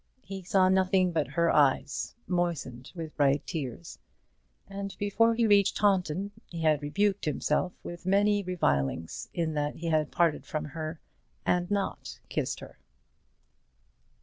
He saw nothing but her eyes, moistened with bright tears, and before he reached Taunton he had rebuked himself with many revilings in that he had parted from her and not kissed her.